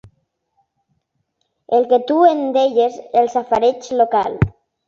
El que tu en deies el safareig local.